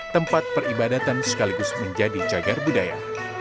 tempat peribadatan sekaligus menjadi cagar budaya